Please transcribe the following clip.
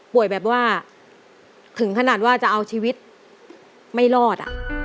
แบบว่าถึงขนาดว่าจะเอาชีวิตไม่รอด